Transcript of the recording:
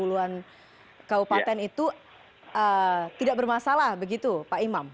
dan kawupaten itu tidak bermasalah begitu pak imam